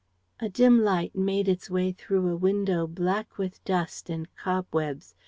A dim light made its way through a window black with dust and cobwebs.